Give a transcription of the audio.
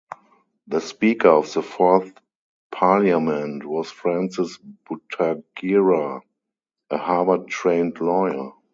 The Speaker of the Fourth Parliament was Francis Butagira, a Harvard-trained lawyer.